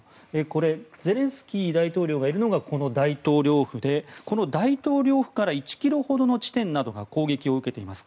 これゼレンスキー大統領がいるのがこの大統領府でこの大統領府から１ｋｍほどの地点などが攻撃を受けています。